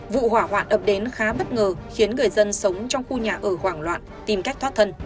vụ hỏa hoạn ập đến khá bất ngờ khiến người dân sống trong khu nhà ở hoảng loạn tìm cách thoát thân